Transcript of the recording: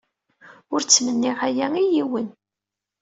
Ur ttmenniɣ aya i yiwen.